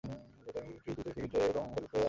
এর একটি Twitter feed এবং ফেসবুক পেজ আছে।